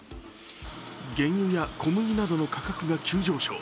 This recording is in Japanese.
原油や小麦などの価格が急上昇。